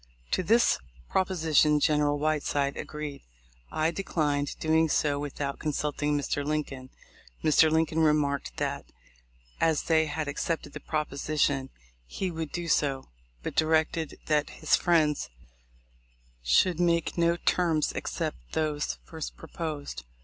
To this proposition General Whiteside agreed : I declined doing so without consulting Mr. Lincoln. Mr. Lincoln remarked that, as they had accepted the proposition, he would do so, but directed that his friends should make no terms except those first proposed.